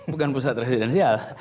bukan pusat residensial